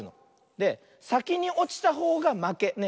でさきにおちたほうがまけね。